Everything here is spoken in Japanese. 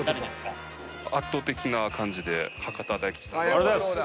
ありがとうございます。